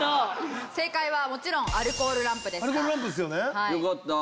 正解はもちろんアルコールランプでした。